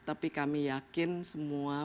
tapi kami yakin semua